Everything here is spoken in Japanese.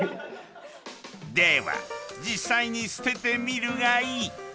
では実際に捨ててみるがいい。